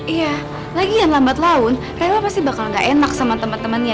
iya lagi ian lambat laun rayla pasti bakal gak enak sama temen temennya